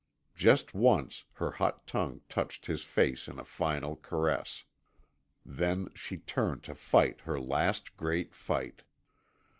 Just once her hot tongue touched his face in a final caress. Then she turned to fight her last great fight.